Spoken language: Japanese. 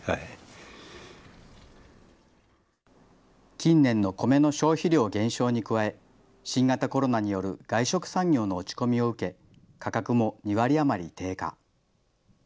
近年の米の消費量減少に加え、新型コロナによる外食産業の落ち込みを受け、価格も２割余り低下。